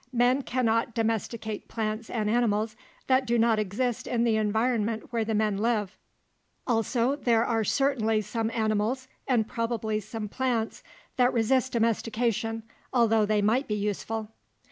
Men cannot domesticate plants and animals that do not exist in the environment where the men live. Also, there are certainly some animals and probably some plants that resist domestication, although they might be useful.